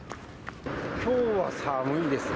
きょうは寒いですね。